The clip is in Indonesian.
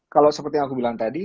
kalau seperti yang aku bilang tadi